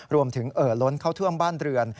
เอ่อล้นเข้าท่วมบ้านเรือน